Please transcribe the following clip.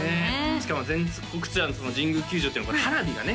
しかも全国ツアーのその神宮球場っていうのが花火がね